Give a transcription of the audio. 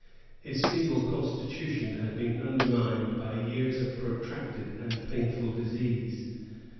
His feeble constitution had been undermined by years of protracted and painful disease.